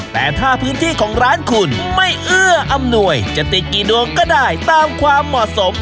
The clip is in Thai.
แต่ถ้าพื้นที่ของร้านคุณไม่เอื้ออำนวยจะติดกี่ดวงก็ได้ตามความเหมาะสม